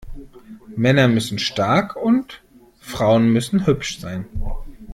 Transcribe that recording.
Männer müssen stark und Frauen müssen hübsch sein.